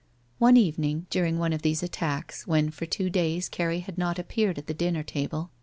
One evening during one of these attacks, when for two days Carrie had not appeared at tlie dinner table.